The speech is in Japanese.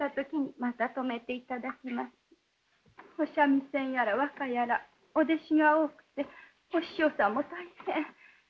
お三味線やら和歌やらお弟子が多くてお師匠さんも大変。